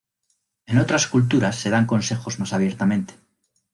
En otras culturas se dan consejos más abiertamente.